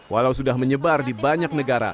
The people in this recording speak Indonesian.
walau sudah menyebar di banyak negara